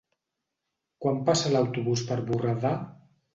Quan passa l'autobús per Borredà?